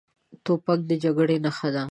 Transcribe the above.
توپک د جګړې نښه ده.